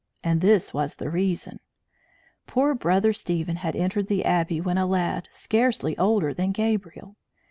And this was the reason: poor Brother Stephen had entered the Abbey when a lad scarcely older than Gabriel.